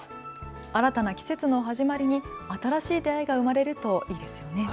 新たな季節の始まりに新しい出会いが生まれるといいですよね。